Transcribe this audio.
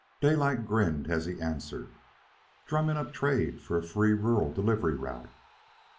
Daylight grinned as he answered, "Drumming up trade for a free rural delivery route."